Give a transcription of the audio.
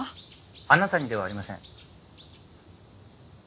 あなたにではありません。